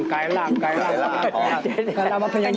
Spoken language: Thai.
กายร่าง